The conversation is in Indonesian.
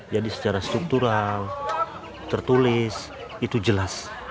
secara struktural tertulis itu jelas